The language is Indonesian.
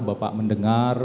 apakah bapak mendengar